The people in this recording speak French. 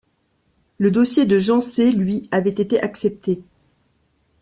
Le dossier de Genset lui, avait été accepté.